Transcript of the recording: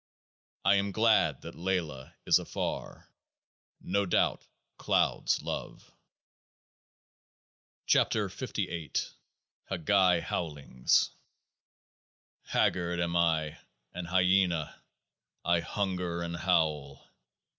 I am glad that LAYLAH is afar ; no doubt clouds love. 72 KEOAAH NH HAGGAI HOWLINGS Haggard am I, an hyaena ; I hunger and howl.